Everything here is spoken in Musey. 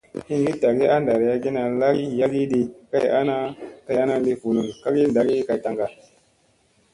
Hingi tagi a ɗarayagina lagii yagii di kay ana ,kay ana li vunun kagi ɗagii kay tanga.